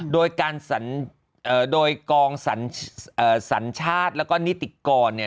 โดยการเอ่อโดยกองสันเอ่อสันชาติแล้วก็นิติกรเนี้ย